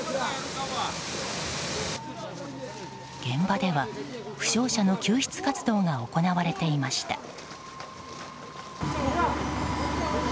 現場では負傷者の救出活動が行われていました。